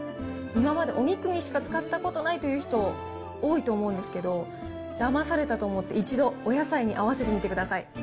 今までお肉にしか使ったことないという人、多いと思うんですけど、だまされたと思って、一度お野菜に合わせてみてください。